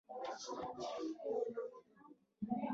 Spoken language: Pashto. د شوروي او ارجنټاین ودې درېدو لامل موجودیت دی.